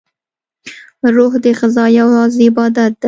دروح غذا یوازی عبادت دی